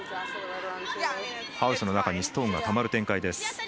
ハウスの中にストーンが止まる展開です。